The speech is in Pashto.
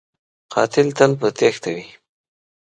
قاتل تل په تیښته وي